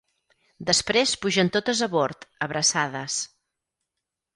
Després pugen totes a bord, abraçades.